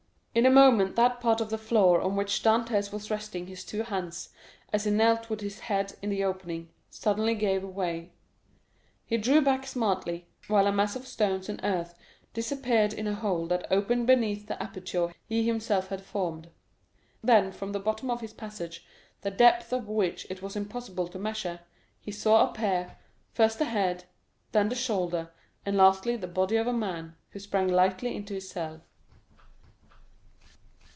In a moment that part of the floor on which Dantès was resting his two hands, as he knelt with his head in the opening, suddenly gave way; he drew back smartly, while a mass of stones and earth disappeared in a hole that opened beneath the aperture he himself had formed. Then from the bottom of this passage, the depth of which it was impossible to measure, he saw appear, first the head, then the shoulders, and lastly the body of a man, who sprang lightly into his cell.